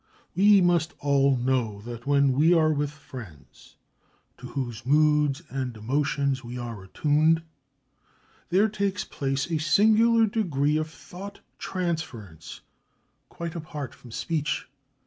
We must all know that when we are with friends to whose moods and emotions we are attuned, there takes place a singular degree of thought transference, quite apart from speech.